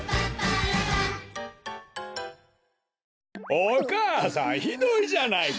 お母さんひどいじゃないか！